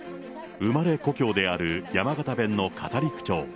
生まれ故郷である山形弁の語り口調。